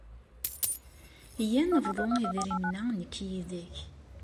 Yya ad nebḍu idirimen-a nekk yid-k.